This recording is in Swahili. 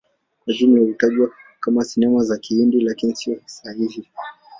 Kwa ujumla hutajwa kama Sinema za Kihindi, lakini hiyo si sahihi.